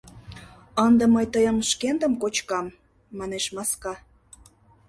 Ынде мый тыйым шкендым кочкам, — манеш маска.